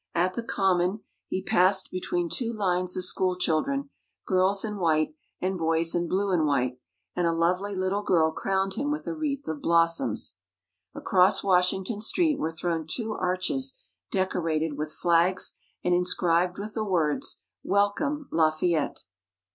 At the Common, he passed between two lines of school children, girls in white, and boys in blue and white; and a lovely little girl crowned him with a wreath of blossoms. Across Washington Street, were thrown two arches decorated with flags, and inscribed with the words: WELCOME, LAFAYETTE!